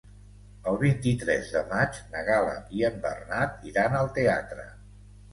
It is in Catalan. El vint-i-tres de maig na Gal·la i en Bernat iran al teatre.